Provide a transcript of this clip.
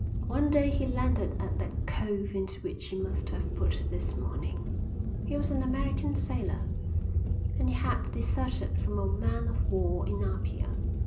"One day he landed at that cove into which you must have put this morning. He was an American sailor, and he had deserted from a man of war in Apia.